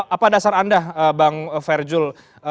apa dasar anda bang ferry jul